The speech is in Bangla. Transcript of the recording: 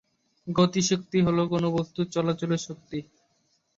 গতিশক্তি হলো কোনও বস্তুর চলাচলের শক্তি।